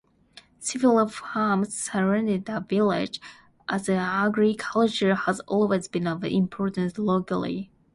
Several farms surround the village, as agriculture has always been of importance locally.